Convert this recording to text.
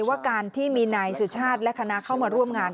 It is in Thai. ว่าการที่มีนายสุชาติและคณะเข้ามาร่วมงาน